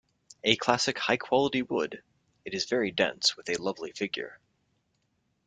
A classic high-quality wood, it is very dense with a lovely figure.